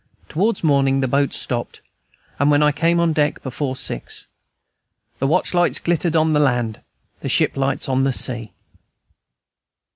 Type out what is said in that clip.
Towards morning the boat stopped, and when I came on deck, before six, "The watch lights glittered on the land, The ship lights on the sea."